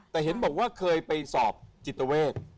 แต่เห็นบอกว่าเคยไปสอบจิตเวท